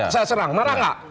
saya serang marah nggak